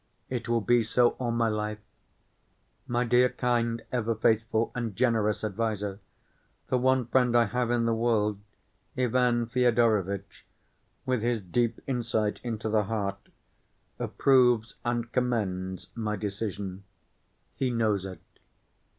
It will be so all my life. My dear, kind, ever‐faithful and generous adviser, the one friend I have in the world, Ivan Fyodorovitch, with his deep insight into the heart, approves and commends my decision. He knows it."